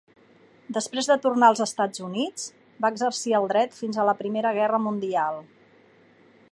Després de tornar als Estats Units, va exercir el dret fins a la Primera Guerra Mundial.